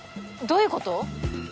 どういうこと？